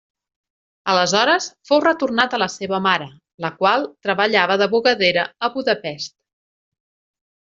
Aleshores fou retornat a la seva mare, la qual treballava de bugadera a Budapest.